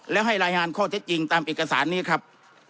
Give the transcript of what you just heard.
แล้วให้รายงานข้อเท็จจริงตามเอกสารนี้ครับ